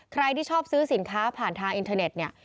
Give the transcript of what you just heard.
ใครที่ชอบซื้อสินค้าผ่านทางอินเทอร์เน็ตเนี่ย